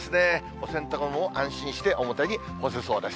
お洗濯物も安心して表に干せそうです。